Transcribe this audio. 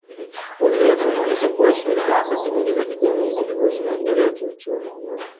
Uzoefu unaonesha kuwa shughuli za asasi nyingi za jamii zilihusu maendeleo ya kiuchumi